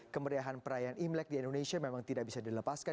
kemeriahan perayaan imlek di indonesia memang tidak bisa dilepaskan